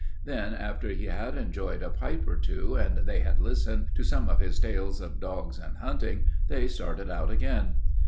Then, after he had enjoyed a pipe or two and they had listened to some of his tales of dogs and hunting, they started out again.